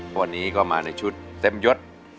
วันนี้ก็มาในชุดเต็มยด